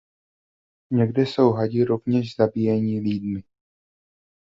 Někde jsou hadi rovněž zabíjení lidmi.